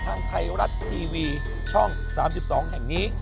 ทางไทยรัฐทีวีช่อง๓๒แห่งนี้